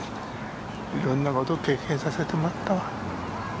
色んなことを経験させてもらったわ。